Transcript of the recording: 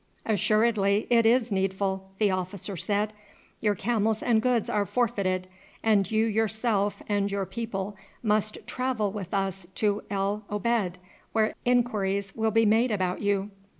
"Assuredly it is needful," the officer said. "Your camels and goods are forfeited, and you yourself and your people must travel with us to El Obeid, where inquiries will be made about you."